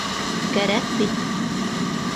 Кәрәк бит!